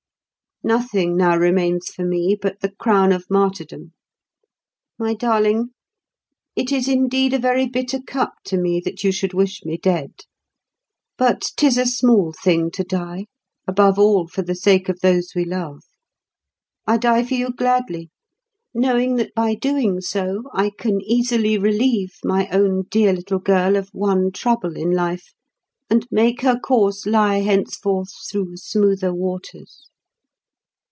Nothing now remains for me but the crown of martyrdom. My darling, it is indeed a very bitter cup to me that you should wish me dead; but 'tis a small thing to die, above all for the sake of those we love. I die for you gladly, knowing that by doing so I can easily relieve my own dear little girl of one trouble in life, and make her course lie henceforth through smoother waters.